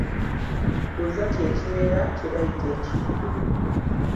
Bbuza kye kimera kye bayita ekiddo.